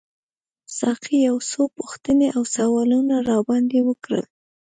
ساقي یو څو پوښتنې او سوالونه راباندي وکړل.